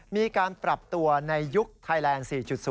มีการปรับตัวในยุคไทยแลนด์๔๐